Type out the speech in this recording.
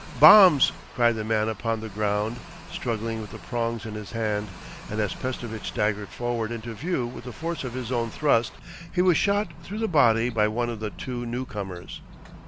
'Bombs,' cried the man upon the ground, struggling with the prongs in his hand, and as Pestovitch staggered forward into view with the force of his own thrust, he was shot through the body by one of the two new comers.